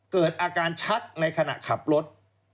เกิดอาการชักในขณะขับรถ